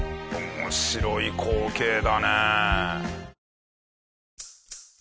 面白い光景だねえ。